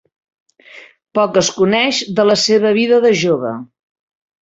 Poc es coneix de la seva vida de jove.